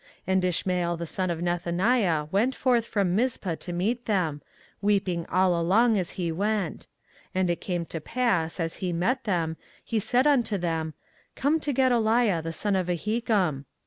24:041:006 And Ishmael the son of Nethaniah went forth from Mizpah to meet them, weeping all along as he went: and it came to pass, as he met them, he said unto them, Come to Gedaliah the son of Ahikam.